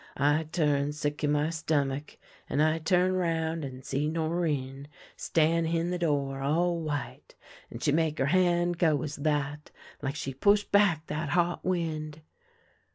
I turn sick in my stomich, and I turn round and see Norinne stan' hin the door, all white, and she make her hand go as that, like she push back that hot wind.